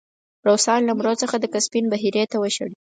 روسان له مرو څخه د کسپین بحیرې ته وشړی.